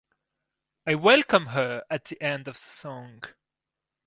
I welcome her at the end of the song.